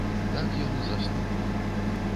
Так ён і заснуў.